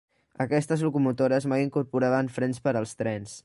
Aquestes locomotores mai incorporaven frens per als trens.